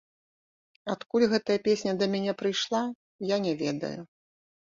Адкуль гэтая песня да мяне прыйшла, я не ведаю.